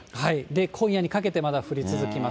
今夜にかけてまだ降り続きます。